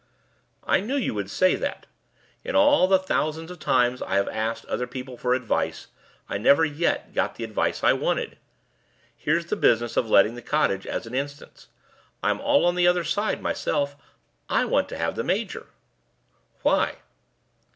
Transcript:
"I knew you would say that. In all the thousands of times I have asked other people for advice, I never yet got the advice I wanted. Here's this business of letting the cottage as an instance. I'm all on the other side myself. I want to have the major." "Why?"